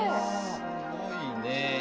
すごいね。